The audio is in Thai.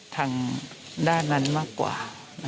ทางด้านนั้นมากกว่า